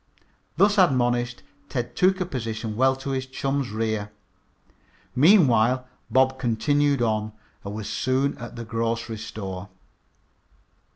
Thus admonished, Ted took a position well to his chum's rear. Meanwhile Bob continued on and was soon at the grocery store.